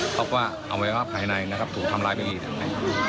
เขาก็เอาไว้ว่าภายในนะครับถูกทำร้ายบางอย่างนั้น